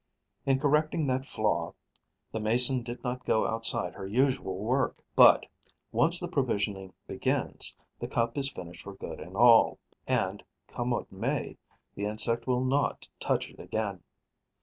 In correcting that flaw, the Mason did not go outside her usual work. But, once the provisioning begins, the cup is finished for good and all; and, come what may, the insect will not touch it again.